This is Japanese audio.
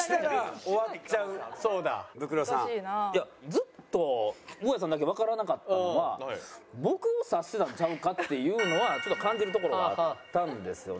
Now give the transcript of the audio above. ずっと大家さんだけわからなかったのは僕を指してたんちゃうかっていうのはちょっと感じるところがあったんですよね。